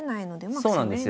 そうなんですよ。